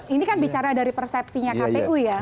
ini kan bicara dari persepsinya kpu ya